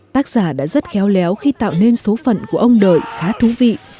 tác giả đã rất khéo léo khi tạo nên số phận của ông đợi khá thú vị